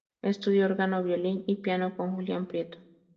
Estudió órgano, violín y piano con Julián Prieto.